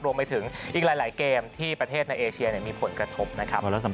รวมไปถึงอีกหลายเกมที่ประเทศในเอเชียมีผลกระทบนะครับ